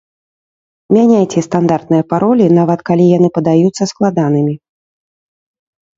Мяняйце стандартныя паролі, нават калі яны падаюцца складанымі.